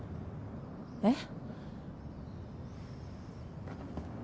えっ？